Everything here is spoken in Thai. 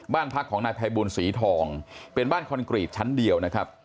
บ้านพักของนายภัยบูลศรีทองเป็นบ้านคอนกรีตชั้นเดียวนะครับ